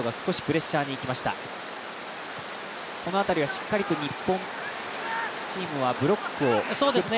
しっかりと日本チームはブロックを作っています。